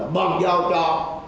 bằng dao trò